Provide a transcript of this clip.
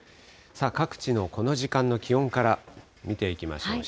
さあ、各地のこの時間の気温から見ていきましょう。